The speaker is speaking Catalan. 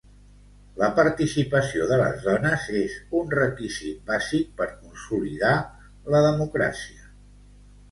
La participació de les dones és un requisit bàsic per consolidar la democràcia.